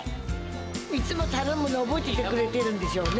いつも頼むの、覚えていてくれてるんでしょうね。